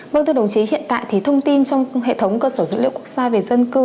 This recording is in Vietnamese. vâng thưa đồng chí hiện tại thì thông tin trong hệ thống cơ sở dữ liệu quốc gia về dân cư